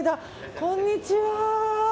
こんにちは。